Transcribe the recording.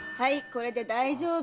これで大丈夫。